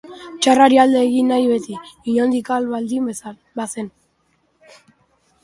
Txarrari alde egin nahi beti, inondik ahal baldin bazen.